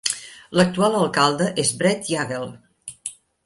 L'actual alcalde és Brett Yagel.